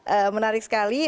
baik menarik sekali